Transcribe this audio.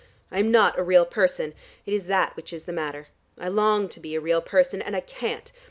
I am not a real person. It is that which is the matter. I long to be a real person, and I can't.